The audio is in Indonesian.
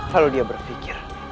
lalu dia berpikir